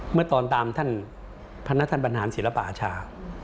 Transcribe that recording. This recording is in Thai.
เมื่อตอนตามท่านพระนัทธรรมบรรหารศิลปะอาชา